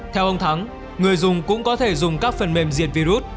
theo ông thắng người dùng cũng có thể dùng các phần mềm diệt virus